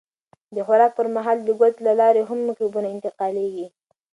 د خوراک پر مهال د ګوتو له لارې هم مکروبونه انتقالېږي.